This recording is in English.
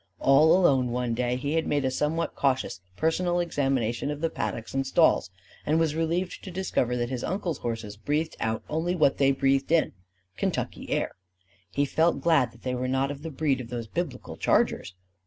All alone one day he had made a somewhat cautious personal examination of the paddocks and stalls; and was relieved to discover that his uncle's horses breathed out only what they breathed in Kentucky air. He felt glad that they were not of the breed of those Biblical chargers.